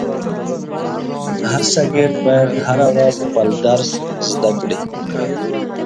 هر شاګرد باید هره ورځ خپل درس زده کړي.